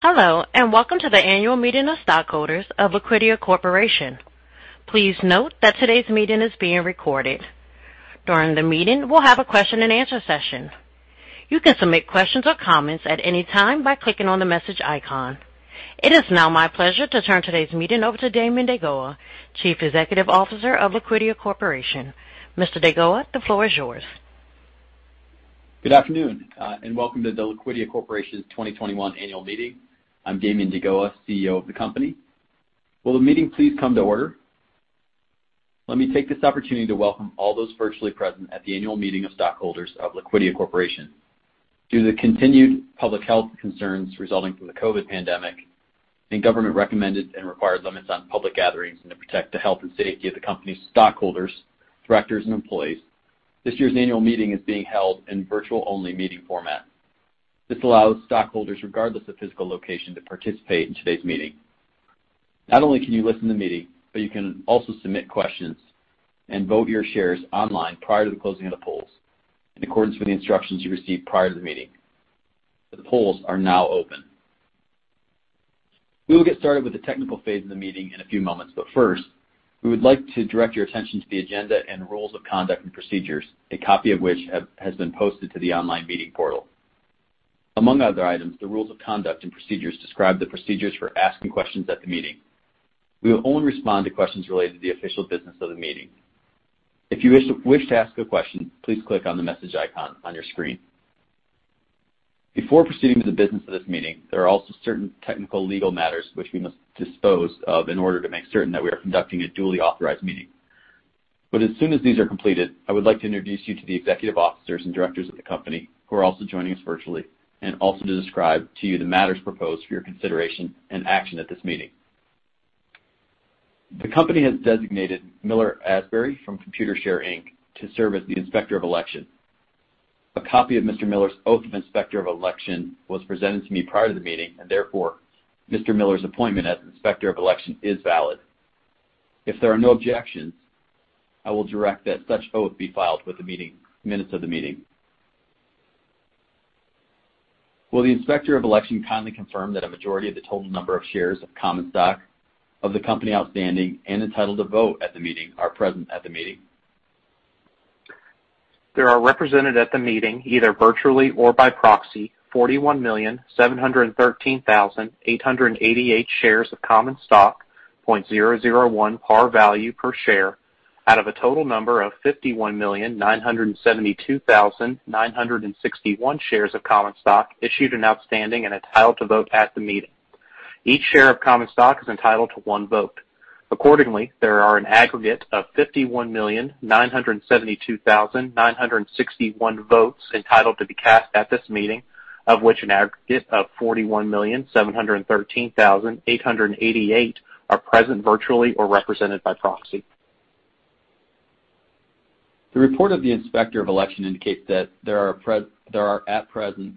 Hello, and welcome to the annual meeting of stockholders of Liquidia Corporation. Please note that today's meeting is being recorded. During the meeting, we'll have a question and answer session. You can submit questions or comments at any time by clicking on the message icon. It is now my pleasure to turn today's meeting over to Damian deGoa, Chief Executive Officer of Liquidia Corporation. Mr. deGoa, the floor is yours. Good afternoon, and welcome to the Liquidia Corporation's 2021 annual meeting. I'm Damian deGoa, CEO of the company. Will the meeting please come to order? Let me take this opportunity to welcome all those virtually present at the annual meeting of stockholders of Liquidia Corporation. Due to continued public health concerns resulting from the COVID pandemic and government recommended and required limits on public gatherings, and to protect the health and safety of the company's stockholders, directors, and employees, this year's annual meeting is being held in virtual-only meeting format. This allows stockholders, regardless of physical location, to participate in today's meeting. Not only can you listen to the meeting, but you can also submit questions and vote your shares online prior to the closing of the polls in accordance with the instructions you received prior to the meeting. The polls are now open. We will get started with the technical phase of the meeting in a few moments. First, we would like to direct your attention to the agenda and rules of conduct and procedures, a copy of which has been posted to the online meeting portal. Among other items, the rules of conduct and procedures describe the procedures for asking questions at the meeting. We will only respond to questions related to the official business of the meeting. If you wish to ask a question, please click on the message icon on your screen. Before proceeding to the business of this meeting, there are also certain technical legal matters which we must dispose of in order to make certain that we are conducting a duly authorized meeting. As soon as these are completed, I would like to introduce you to the executive officers and directors of the company who are also joining us virtually, and also to describe to you the matters proposed for your consideration and action at this meeting. The company has designated Miller Asbury from Computershare Inc. to serve as the Inspector of Election. A copy of Mr. Miller's Oath of Inspector of Election was presented to me prior to the meeting, and therefore, Mr. Miller's appointment as Inspector of Election is valid. If there are no objections, I will direct that such oath be filed with the minutes of the meeting. Will the Inspector of Election kindly confirm that a majority of the total number of shares of common stock of the company outstanding and entitled to vote at the meeting are present at the meeting? There are represented at the meeting, either virtually or by proxy, 41,713,888 shares of common stock, $0.001 par value per share, out of a total number of 51,972,961 shares of common stock issued and outstanding and entitled to vote at the meeting. Each share of common stock is entitled to one vote. Accordingly, there are an aggregate of 51,972,961 votes entitled to be cast at this meeting, of which an aggregate of 41,713,888 are present virtually or represented by proxy. The report of the Inspector of Election indicates that there are at present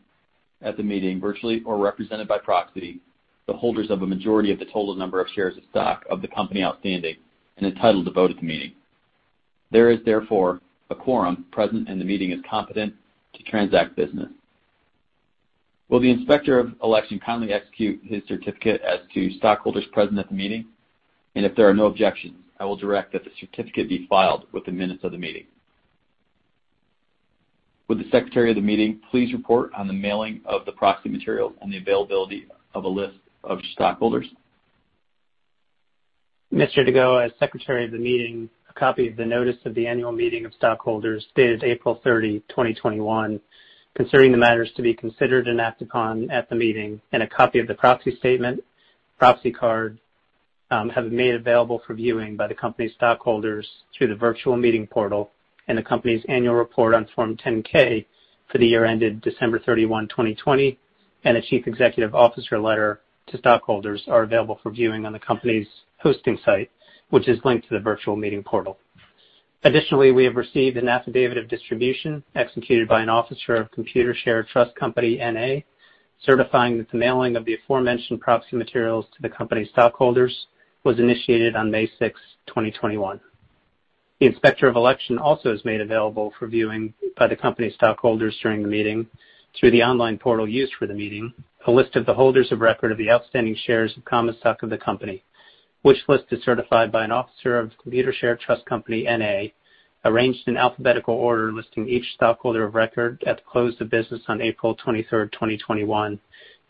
at the meeting, virtually or represented by proxy, the holders of a majority of the total number of shares of stock of the company outstanding and entitled to vote at the meeting. There is therefore a quorum present, and the meeting is competent to transact business. Will the Inspector of Election kindly execute his certificate as to stockholders present at the meeting. If there are no objections, I will direct that the certificate be filed with the minutes of the meeting. Will the Secretary of the meeting please report on the mailing of the proxy material and the availability of a list of stockholders. Mr. deGoa, as Secretary of the meeting, a copy of the notice of the annual meeting of stockholders dated April 30, 2021, concerning the matters to be considered and acted upon at the meeting, and a copy of the proxy statement, proxy card, have been made available for viewing by the company's stockholders through the virtual meeting portal, and the company's annual report on Form 10-K for the year ended December 31, 2020, and a chief executive officer letter to stockholders are available for viewing on the company's hosting site, which is linked to the virtual meeting portal. Additionally, we have received an affidavit of distribution executed by an officer of Computershare Trust Company, N.A., certifying that the mailing of the aforementioned proxy materials to the company stockholders was initiated on May 6, 2021. The Inspector of Election also has made available for viewing by the company stockholders during the meeting through the online portal used for the meeting, a list of the holders of record of the outstanding shares of common stock of the company. Which list is certified by an officer of Computershare Trust Company, N.A., arranged in alphabetical order, listing each stockholder of record at close of business on April 23, 2021,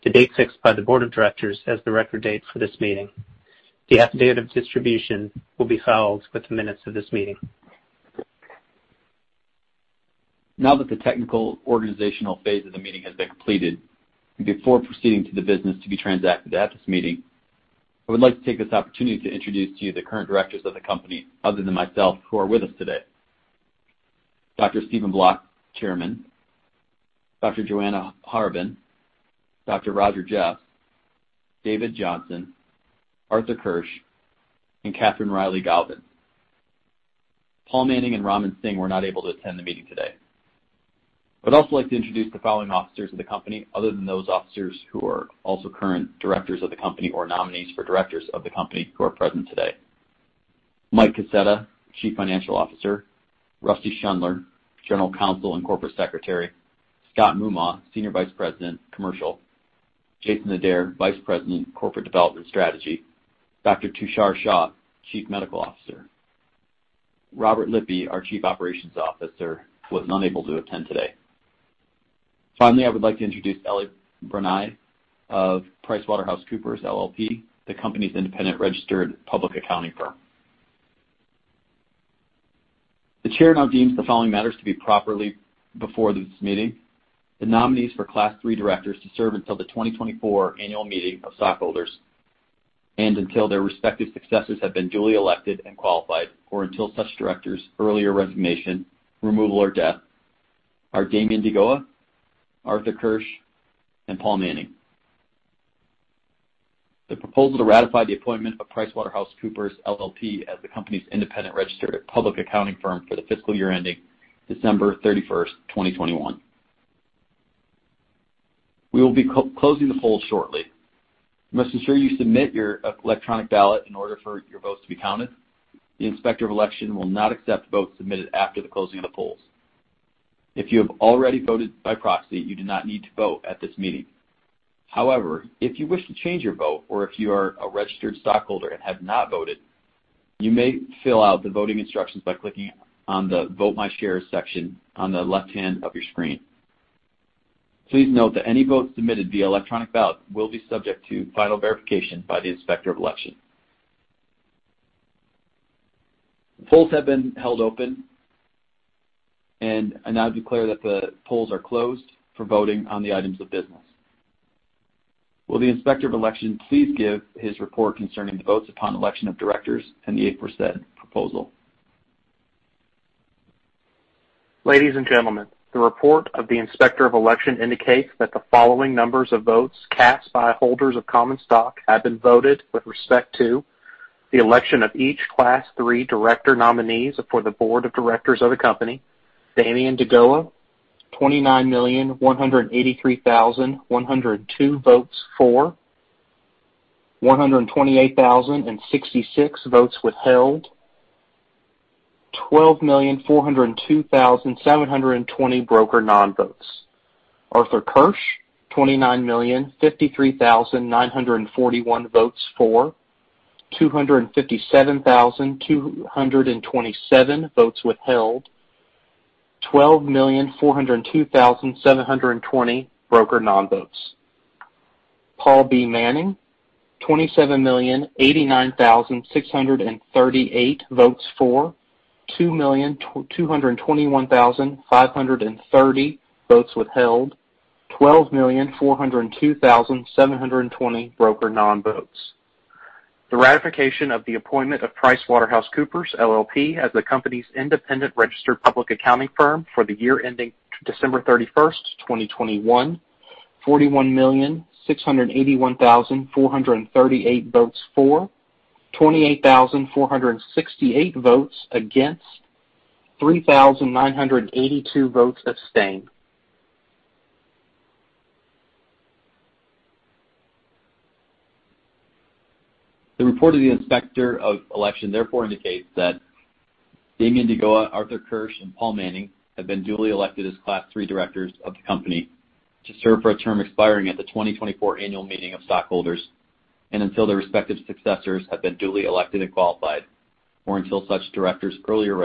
the date fixed by the board of directors as the record date for this meeting. The affidavit of distribution will be filed with the minutes of this meeting. Now that the technical organizational phase of the meeting has been completed, and before proceeding to the business to be transacted at this meeting, I would like to take this opportunity to introduce to you the current directors of the company, other than myself, who are with us today. Dr. Stephen Bloch, Chairman, Dr. Joanna Horobin, Dr. Roger Jeffs, David Johnson, Arthur Kirsch, and Katie Rielly-Gauvin. Paul Manning and Raman Singh were not able to attend the meeting today. I'd also like to introduce the following officers of the company, other than those officers who are also current directors of the company or nominees for directors of the company who are present today. Michael Kaseta, Chief Financial Officer. Rusty Schundler, General Counsel and Corporate Secretary. Scott Moomaw, Senior Vice President, Commercial. Jason Adair, Vice President, Corporate Development Strategy. Dr. Tushar Shah, Chief Medical Officer. Robert Lippi, our Chief Operations Officer, was not able to attend today. I would like to introduce Elliot Brunei of PricewaterhouseCoopers, LLP, the company's independent registered public accounting firm. The chair now deems the following matters to be properly before this meeting. The nominees for Class III directors to serve until the 2024 annual meeting of stockholders and until their respective successors have been duly elected and qualified, or until such directors earlier resignation, removal, or death, are Damian deGoa, Arthur Kirsch, and Paul Manning. The proposal to ratify the appointment of PricewaterhouseCoopers, LLP as the company's independent registered public accounting firm for the fiscal year ending December 31st, 2021. We will be closing the polls shortly. You must ensure you submit your electronic ballot in order for your votes to be counted. The Inspector of Election will not accept votes submitted after the closing of the polls. If you have already voted by proxy, you do not need to vote at this meeting. However, if you wish to change your vote or if you are a registered stockholder and have not voted, you may fill out the voting instructions by clicking on the Vote My Shares section on the left-hand of your screen. Please note that any votes submitted via electronic ballot will be subject to final verification by the Inspector of Election. The polls have been held open, and I now declare that the polls are closed for voting on the items of business. Will the Inspector of Election please give his report concerning the votes upon election of directors and the aforesaid proposal? Ladies and gentlemen, the report of the Inspector of Election indicates that the following numbers of votes cast by holders of common stock have been voted with respect to the election of each Class III director nominees for the board of directors of the company. Damian deGoa, 29,183,102 votes for, 128,066 votes withheld, 12,402,720 broker non-votes. Arthur Kirsch, 29,053,941 votes for, 257,227 votes withheld, 12,402,720 broker non-votes. Paul B. Manning, 27,089,638 votes for, 2,221,530 votes withheld, 12,402,720 broker non-votes. The ratification of the appointment of PricewaterhouseCoopers, LLP as the company's independent registered public accounting firm for the year ending December 31st, 2021, 41,681,438 votes for, 28,468 votes against, 3,982 votes abstained. The report of the Inspector of Election indicates that Damian deGoa, Arthur Kirsch, and Paul Manning have been duly elected as Class III directors of the company to serve for a term expiring at the 2024 annual meeting of stockholders and until their respective successors have been duly elected and qualified, or until such director's earlier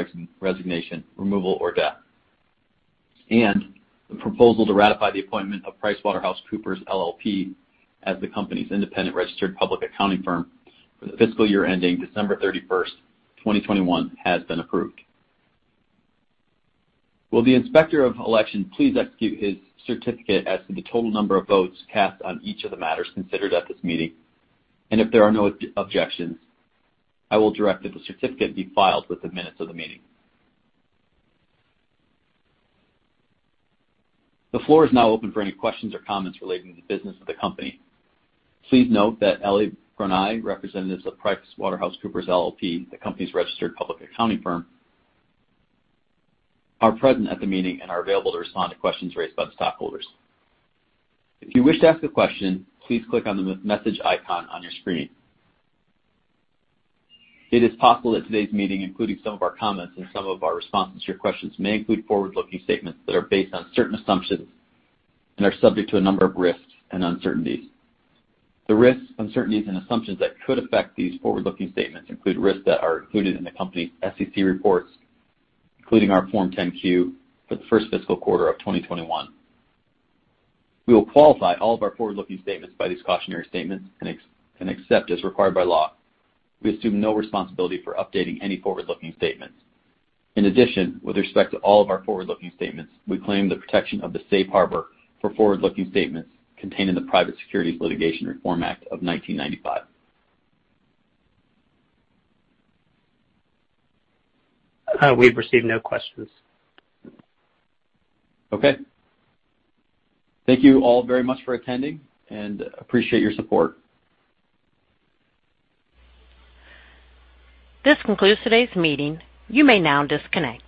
resignation, removal, or death. The proposal to ratify the appointment of PricewaterhouseCoopers, LLP as the company's independent registered public accounting firm for the fiscal year ending December 31st, 2021, has been approved. Will the Inspector of Election please execute his certificate as to the total number of votes cast on each of the matters considered at this meeting? If there are no objections, I will direct that the certificate be filed with the minutes of the meeting. The floor is now open for any questions or comments relating to the business of the company. Please note that Elliot Brunei, representatives of PricewaterhouseCoopers, LLP, the company's registered public accounting firm, are present at the meeting and are available to respond to questions raised by the stockholders. If you wish to ask a question, please click on the message icon on your screen. It is possible that today's meeting, including some of our comments and some of our responses to your questions, may include forward-looking statements that are based on certain assumptions and are subject to a number of risks and uncertainties. The risks, uncertainties, and assumptions that could affect these forward-looking statements include risks that are included in the company's SEC reports, including our Form 10-Q for the first fiscal quarter of 2021. We will qualify all of our forward-looking statements by these cautionary statements, and except as required by law, we assume no responsibility for updating any forward-looking statements. In addition, with respect to all of our forward-looking statements, we claim the protection of the safe harbor for forward-looking statements contained in the Private Securities Litigation Reform Act of 1995. We've received no questions. Okay. Thank you all very much for attending, and appreciate your support. This concludes today's meeting. You may now disconnect.